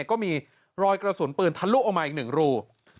ก็มีรอยกระสุนปืนทะลุออกมาอีก๑รู